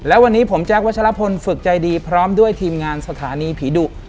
และวันนี้ผมแจ๊ควัชลพลฝึกใจดีพร้อมด้วยทีมงานสถานีผีดุ